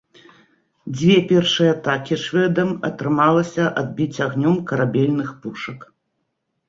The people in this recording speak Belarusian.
Дзве першыя атакі шведам атрымалася адбіць агнём карабельных пушак.